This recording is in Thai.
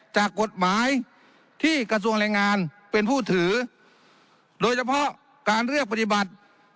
จากกฎหมายที่กระทรวงแรงงานเป็นผู้ถือโดยเฉพาะการเลือกปฏิบัติ